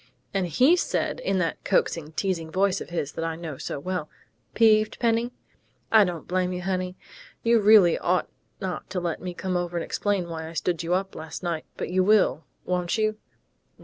And he said, in that coaxing, teasing voice of his that I know so well: 'Peeved, Penny?... I don't blame you, honey. You really ought not to let me come over and explain why I stood you up last night, but you will, won't you?...